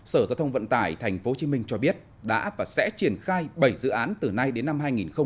sở giao thông vận tải tp hcm cho biết đã và sẽ triển khai bảy dự án từ nay đến năm hai nghìn hai mươi